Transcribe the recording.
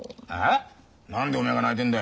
何でおめえが泣いてんだよ。